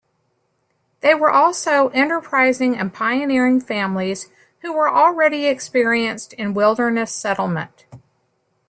They were also enterprising and pioneering families who were already experienced in wilderness settlement.